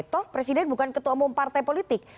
toh presiden bukan ketua umum partai politik